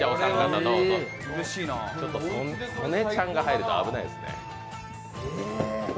ちょっと、曽根ちゃんが入ると危ないですね。